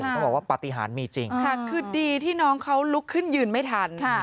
เขาบอกว่าปฏิหารมีจริงค่ะคือดีที่น้องเขาลุกขึ้นยืนไม่ทัน